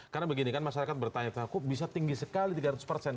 karena begini kan masyarakat bertanya ke saya kok bisa tinggi sekali tiga ratus persen